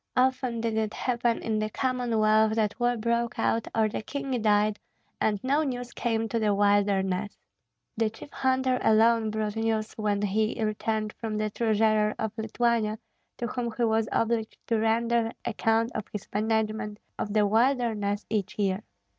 Often did it happen in the Commonwealth that war broke out or the king died and no news came to the wilderness; the chief hunter alone brought news when he returned from the treasurer of Lithuania, to whom he was obliged to render account of his management of the wilderness each year.